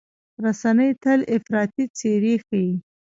رسنۍ تل افراطي څېرې ښيي.